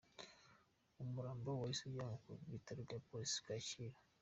Umurambo wahise ujyanwa ku bitaro bya polisi ku Kacyiru.